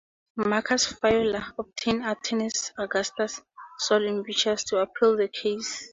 Marcus Faella obtained attorney Augustus Sol Invictus to appeal the case.